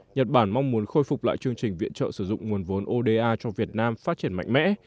nhật bản mong muốn khôi phục lại chương trình viện trợ sử dụng nguồn vốn oda cho việt nam phát triển mạnh mẽ